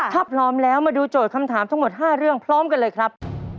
ถ้าพร้อมแล้วมาดูโจทย์คำถามทั้งหมด๕เรื่องพร้อมกันเลยครับ